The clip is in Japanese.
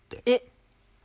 えっ。